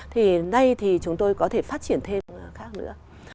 thì nay thì chúng tôi có thể phát triển thêm khác nữa